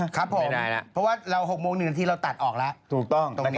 ครับผมเพราะว่า๖กว้า๑นาทีเราตัดออกแล้วตรงนี้ถูกต้อง